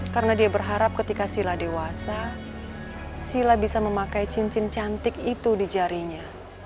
karena dia berharap ketika sila dewasa sila bisa memakai cincin cantik itu di jarinya